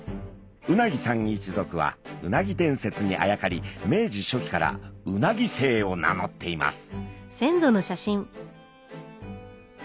鰻さん一族はうなぎ伝説にあやかり明治初期から鰻姓を名乗っています。